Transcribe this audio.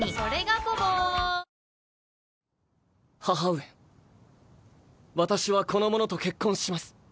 母上私はこの者と結婚します。